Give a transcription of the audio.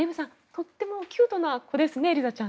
とてもキュートな子ですね、エリザちゃん。